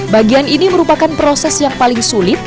bagian ini merupakan proses yang paling sulit